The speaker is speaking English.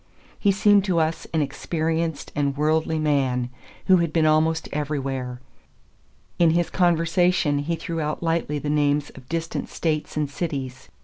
He seemed to us an experienced and worldly man who had been almost everywhere; in his conversation he threw out lightly the names of distant States and cities.